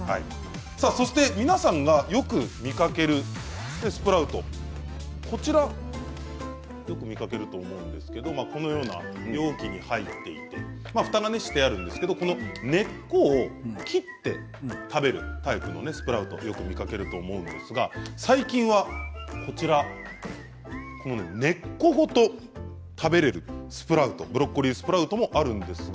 そして皆さんがよく見かけるブロッコリースプラウトこちら、よく見かけると思うんですがこのような容器に入っていてふたがしてあるんですけれどもこの根っこを切って食べるタイプのスプラウトをよく見かけると思うんですが最近は根っこごと食べられるブロッコリースプラウトもあるんです。